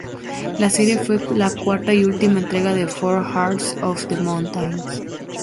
La serie fue la cuarta y última entrega de "Four Hearts of the Mountains".